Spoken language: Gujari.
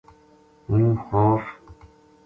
ہوں خوف